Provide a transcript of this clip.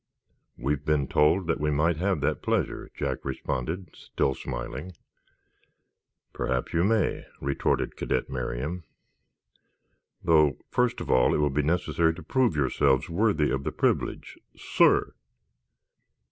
"We've been told that we might have that pleasure," Jack responded, still smiling. "Perhaps you may," retorted Cadet Merriam, "though, first of all, it will be necessary to prove yourselves worthy of the privilege, SIR."